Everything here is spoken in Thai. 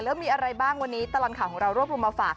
แล้วมีอะไรบ้างวันนี้ตลอดข่าวของเรารวบรวมมาฝาก